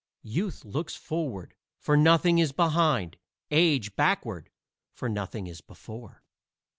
Youth looks forward, for nothing is behind! Age backward, for nothing is before.